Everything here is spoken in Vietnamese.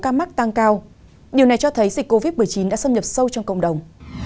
ca mắc tăng cao điều này cho thấy dịch covid một mươi chín đã xâm nhập sâu trong cộng đồng